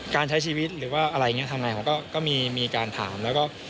การใช้ชีวิตหรือว่าอะไรอย่างนี้ทำไงผมก็มีการถามแล้วก็